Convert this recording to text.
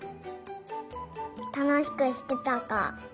たのしくしてたか。